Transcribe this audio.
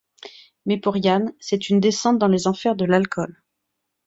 Mais pour Ian, c'est une descente dans les enfers de l'alcool.